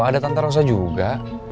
ada tantarosa juga